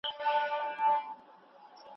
محصل د استاد خبري په دقت تعقیبوي.